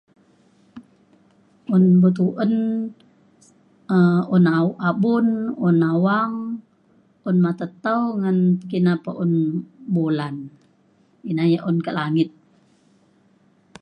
un be'tuen um un ao abun un awang un mata tau ngan pekina pa un bolan ina ya' un ke langit.